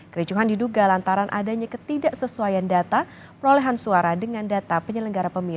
kericuhan diduga lantaran adanya ketidaksesuaian data perolehan suara dengan data penyelenggara pemilu